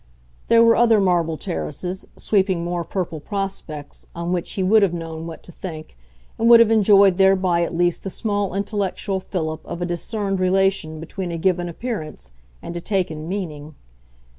There were other marble terraces, sweeping more purple prospects, on which he would have known what to think, and would have enjoyed thereby at least the small intellectual fillip of a discerned relation between a given appearance and a taken meaning.